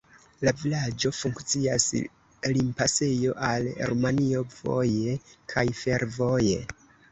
La vilaĝo funkcias limpasejo al Rumanio voje kaj fervoje.